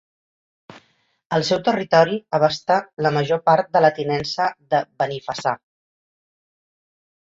El seu territori abasta la major part de la Tinença de Benifassà.